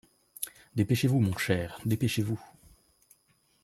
Dépêchez-vous, mon cher, dépêchez-vous !